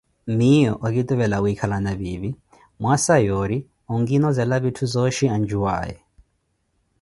Miiyo okituvela wikhalana piipi, mwaasa yoori onkinozela vitthu zooxhi ancuwaye.